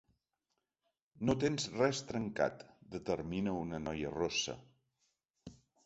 No tens res trencat —determina una noia rossa.